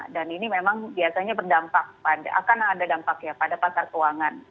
dan ini memang biasanya berdampak akan ada dampak ya pada pasar keuangan